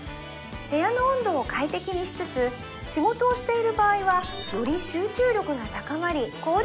部屋の温度を快適にしつつ仕事をしている場合はより集中力が高まり効率